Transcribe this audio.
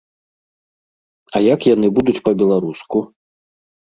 А як яны будуць па-беларуску?